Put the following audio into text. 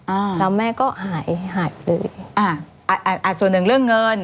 อ่าแล้วแม่ก็หายหายไปเลยอ่าอ่าส่วนหนึ่งเรื่องเงิน